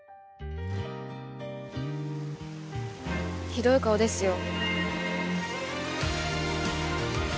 ひどい顔ですよ。